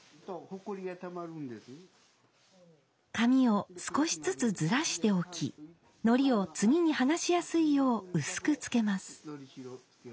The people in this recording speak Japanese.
紙を少しずつずらして置き糊を次に剥がしやすいよう薄く付けます。